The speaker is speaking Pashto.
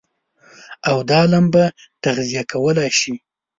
او دا لمبه تغذيه کولای شي.